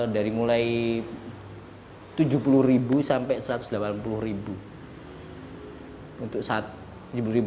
dari mulai tujuh puluh sampai satu ratus delapan puluh